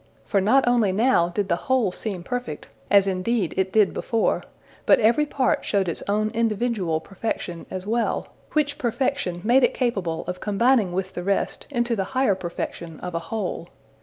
For not only now did the whole seem perfect, as indeed it did before, but every part showed its own individual perfection as well, which perfection made it capable of combining with the rest into the higher perfection of a whole.